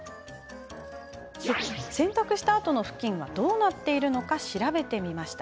洗濯したあとのふきんはどうなっているか調べてみました。